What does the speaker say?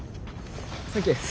サンキューっす。